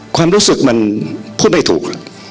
ความรู้สึกมันพูดไม่ถูก